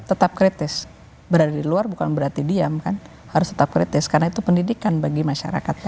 tetap kritis berada di luar bukan berarti diam kan harus tetap kritis karena itu pendidikan bagi masyarakat